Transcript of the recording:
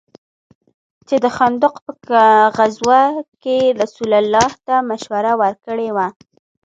چې د خندق په غزوه كښې يې رسول الله ته مشوره وركړې وه.